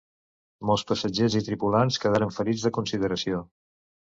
Molts passatgers i tripulants quedaren ferits de consideració.